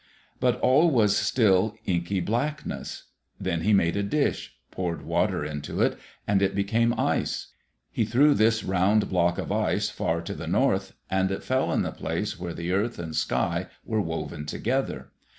But all was still inky blackness. Then he made a dish, poured water into it, and it became ice. He threw this round block of ice far to the north, and it fell at the place where the earth and sky were woven together.